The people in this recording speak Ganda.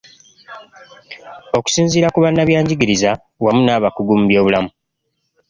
Okusinziira ku bannabyangigiriza wamu n’abakugu mu byobulamu.